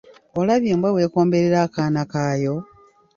Olabye embwa bw'ekomberera akaana kayo?